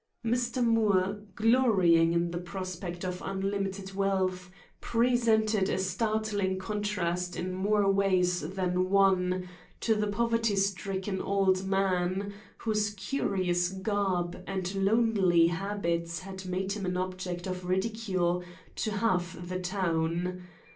Mr. Moore, glorying in the prospect of unlimited wealth, presented a startling contrast in more ways than one to the poverty stricken old man whose curious garb and lonely habits had made him an object of ridicule to half the town.